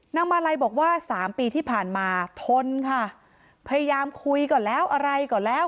มาลัยบอกว่าสามปีที่ผ่านมาทนค่ะพยายามคุยก่อนแล้วอะไรก่อนแล้ว